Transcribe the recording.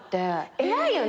偉いよね